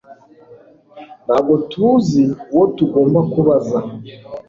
Ntabwo tuzi uwo tugomba kubaza